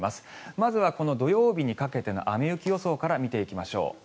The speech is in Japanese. まずはこの土曜日にかけての雨・雪予想から見ていきましょう。